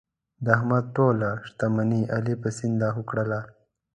د احمد ټوله شتمني علي په سیند لاهو کړله.